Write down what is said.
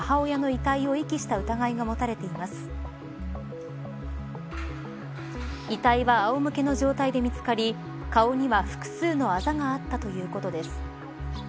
遺体はあおむけの状態で見つかり顔には複数のあざがあったということです。